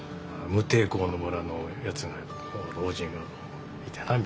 「無抵抗の村のやつが老人がこういてな」みたいな。